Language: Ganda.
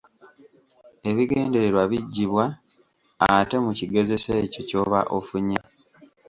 Ebigendererwa biggibwa ate mu kigezeso ekyo ky’oba ofunye.